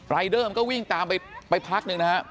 รายเดอร์ก็วิ่งตามไปพักหนึ่งนะ